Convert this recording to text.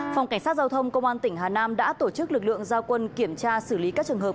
phòng cảnh sát giao thông công an tỉnh hà nam đã tổ chức lực lượng giao quân kiểm tra xử lý các trường hợp